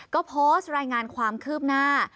ก็โพสต์รายงานความคืบหน้า